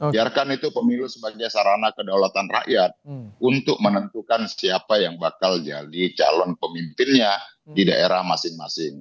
biarkan itu pemilu sebagai sarana kedaulatan rakyat untuk menentukan siapa yang bakal jadi calon pemimpinnya di daerah masing masing